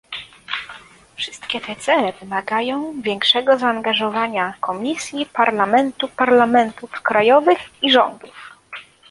Wszystkie te cele wymagają większego zaangażowania Komisji, Parlamentu, parlamentów krajowych i rządów